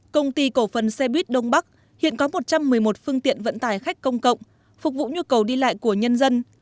công ty cổ phần xe buýt đông bắc hiện có một trăm một mươi một phương tiện vận tải khách công cộng phục vụ nhu cầu đi lại của nhân dân